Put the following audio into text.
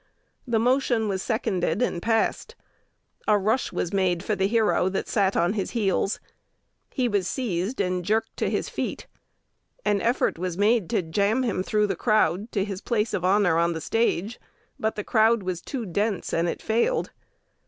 The motion was seconded and passed. A rush was made for the hero that sat on his heels. He was seized, and jerked to his feet. An effort was made to "jam him through the crowd" to his place of honor on the stage; but the crowd was too dense, and it failed.